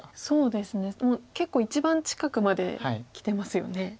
そうですねもう結構一番近くまできてますよね。